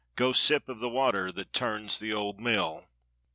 'Go sip of the water that turns the old mill.